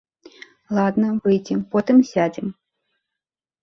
Ладна, выйдзем, потым сядзем.